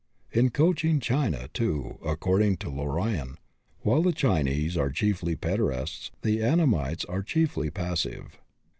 In Cochin China, too, according to Lorion, while the Chinese are chiefly active pederasts, the Annamites are chiefly passive.